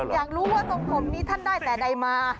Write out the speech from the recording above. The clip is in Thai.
อยากรู้ว่าทรงผมนี้ท่านได้แต่ใดมา